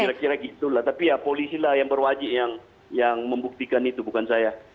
kira kira gitu lah tapi ya polisi lah yang berwajib yang membuktikan itu bukan saya